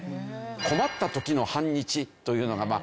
「困った時の反日」というのがまあ